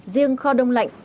riêng kho đông lạnh